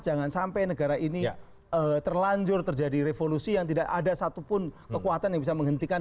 jangan sampai negara ini terlanjur terjadi revolusi yang tidak ada satupun kekuatan yang bisa menghentikan